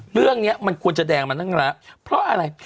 เรื่องนี้มันควรจะแดงมาตั้งแล้วเพราะอะไร